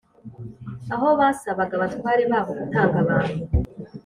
aho basabaga abatware baho gutanga abantu